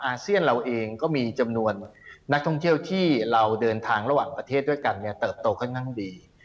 เซียนเราเองก็มีจำนวนนักท่องเที่ยวที่เราเดินทางระหว่างประเทศด้วยกันเนี่ยเติบโตค่อนข้างดี